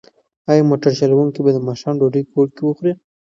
ایا موټر چلونکی به د ماښام ډوډۍ کور کې وخوري؟